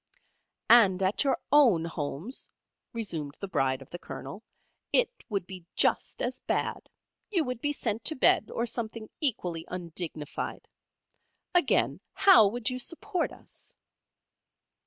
"And at your own homes," resumed the Bride of the Colonel, "it would be just as bad. You would be sent to bed, or something equally undignified. Again: how would you support us?"